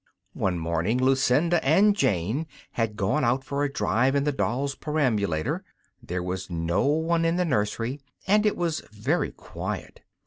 One morning Lucinda and Jane had gone out for a drive in the doll's perambulator. There was no one in the nursery, and it was very quiet.